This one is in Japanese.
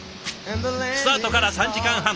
スタートから３時間半。